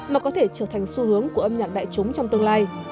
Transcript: mà có thể trở thành xu hướng của âm nhạc đại chúng trong tương lai